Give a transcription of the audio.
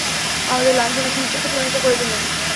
আমাদের লাঞ্ছনাকে ইজ্জতে পরিণত করে দিলেন।